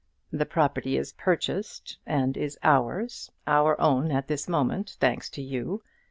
The property is purchased, and is ours, our own at this moment, thanks to you.